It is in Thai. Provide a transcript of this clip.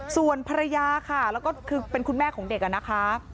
ส่วนภรรยาค่ะแล้วก็คือเป็นคุณแม่ของเด็กนะคะ